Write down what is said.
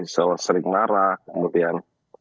sering marah kemudian